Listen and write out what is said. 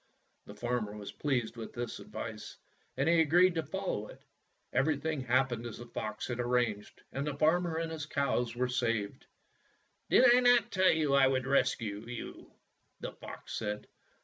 The farmer was pleased with this advice, and he agreed to follow it. Everything hap pened as the fox had arranged, and the farmer and his cows were saved. "Did I not tell you I would rescue you? " the fox said.